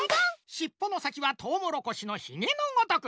しっぽのさきはとうもろこしのひげのごとく！